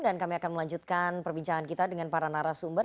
dan kami akan melanjutkan perbincangan kita dengan para narasumber